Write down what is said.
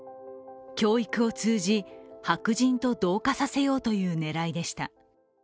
教育を通じ、白人と同化させようという狙いでした。